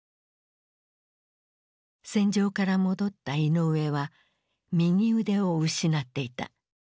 戦場から戻ったイノウエは右腕を失っていた。